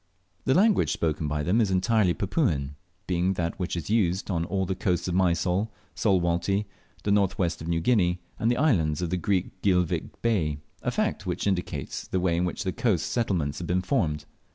The language spoken by them is entirely Papuan, being that which is used on all the coasts of Mysol, Salwatty, the north west of New Guinea, and the islands in the great Geelvink Bay, a fact which indicates the way in which the coast settlements have been formed.